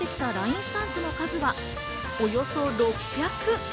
スタンプの数は、およそ６００。